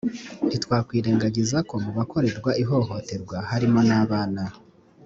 ntitwakirengagiza ko mu bakorerwa ihohoterwa harimonabana.